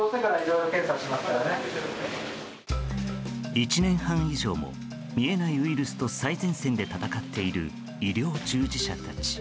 １年半以上も見えないウイルスと最前線で闘っている医療従事者たち。